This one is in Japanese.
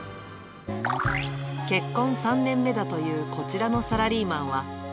結婚３年目だというこちらのサラリーマンは。